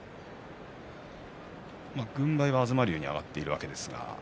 軍配は東龍に上がっているわけです。